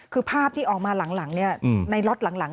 คือภาพที่ออกมาหลังในล็อตหลัง